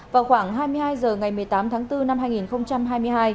vào khoảng hai mươi hai h ngày một mươi tám tháng bốn năm hai nghìn hai mươi hai